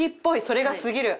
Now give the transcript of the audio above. それがすぎる。